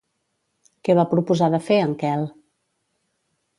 Què va proposar de fer, en Quel?